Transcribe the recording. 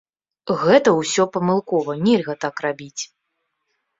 Гэта ўсё памылкова, нельга так рабіць.